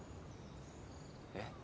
えっ？